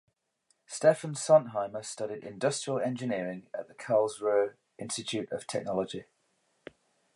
Steffen Sontheimer studied industrial engineering at the Karlsruhe Institute of Technology.